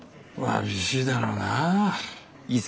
わびしいだろうなあ。